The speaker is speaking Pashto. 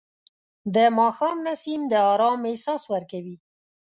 د ماښام نسیم د آرام احساس ورکوي